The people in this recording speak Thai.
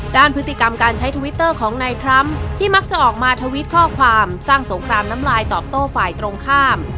ด้านพฤติกรรมการใช้ทวิตเตอร์ของนายทรัมป์ที่มักจะออกมาทวิตข้อความสร้างสงครามน้ำลายตอบโต้ฝ่ายตรงข้าม